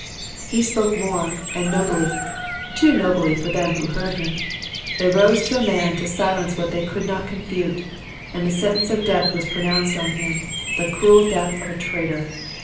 He spoke more and nobly too nobly for them who heard him. They rose to a man to silence what they could not confute; and the sentence of death was pronounced on him the cruel death of a traitor!